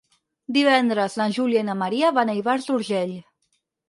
Divendres na Júlia i na Maria van a Ivars d'Urgell.